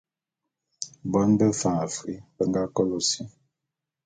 Bon bé Fan Afri be nga kôlô si.